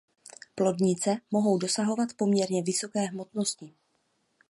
Plodnice mohou dosahovat poměrně vysoké hmotnosti.